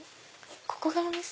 ここがお店？